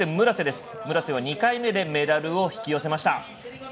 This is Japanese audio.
村瀬は２回目でメダルを引き寄せました。